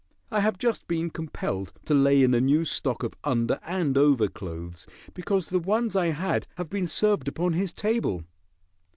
I have just been compelled to lay in a new stock of under and over clothes because the ones I had have been served upon his table."